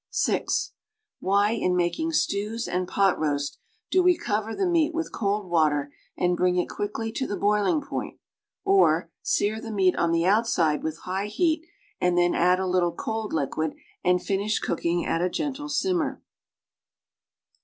(0) Why in making stews and pot roast do we cover the meat with cold water and bring it quickly to the boiling point, or, sear the meat on the outside with high heat and then add a little cold liquid and finish cook ing at a gentle simmer?